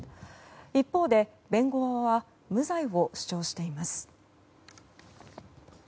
一方で、弁護側は無罪を主張しています。